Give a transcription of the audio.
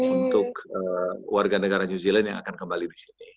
untuk warga negara new zealand yang akan kembali di sini